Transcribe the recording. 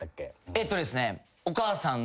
えっとですね。